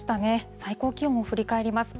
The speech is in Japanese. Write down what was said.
最高気温を振り返ります。